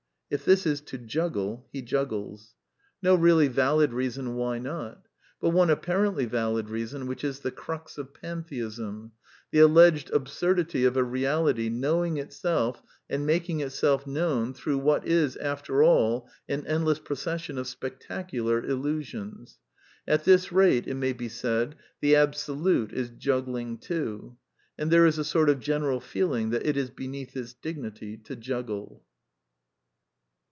If this is to juggle, he juggles. CONCLUSIONS 299 No really valid reason why not. But one apparently valid reason, which is the crux of Pantheism: the alleged absurdity of a reality knowing itself and making itself known through what is, after all, an endless procession of spectacular illusions. At this rate, it may be said, the Absolute is juggling, too. And there is a sort of general feeling that it is beneath its dignity to juggle.